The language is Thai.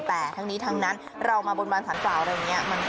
แต่ทั้งนี้ทั้งนั้นเรามาบนบานสารกล่าวอะไรอย่างนี้